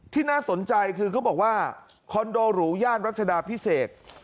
น่าสนใจคือเขาบอกว่าคอนโดหรูย่านรัชดาพิเศษ